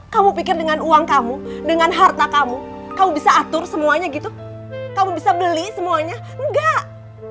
kamu pikir dengan uang kamu dengan harta kamu kamu bisa atur semuanya gitu kamu bisa beli semuanya enggak